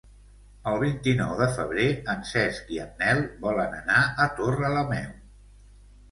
El vint-i-nou de febrer en Cesc i en Nel volen anar a Torrelameu.